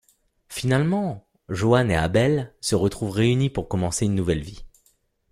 Finalement Joan et Abel se retrouvent réunis pour commencer une nouvelle vie.